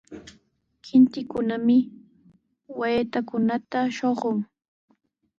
Kintikunami waytakunata shuqun.